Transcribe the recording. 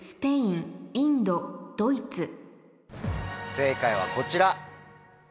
正解はこちら。